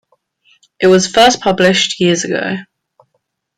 It was first published years ago.